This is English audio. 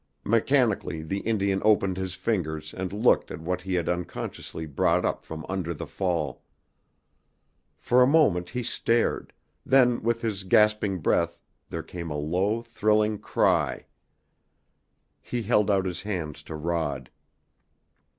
Mechanically the Indian opened his fingers and looked at what he had unconsciously brought up from under the fall. For a moment he stared, then with his gasping breath there came a low, thrilling cry. He held out his hands to Rod.